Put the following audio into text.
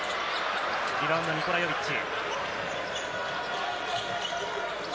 リバウンド、ニコラ・ヨビッチ。